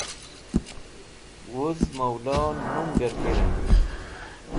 wuz molo nunger g̃hirem